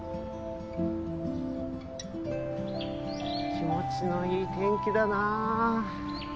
気持ちのいい天気だな。